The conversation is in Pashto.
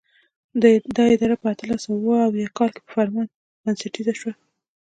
دا اداره په اتلس سوه اوه اویا کال کې په فرمان سره بنسټیزه شوه.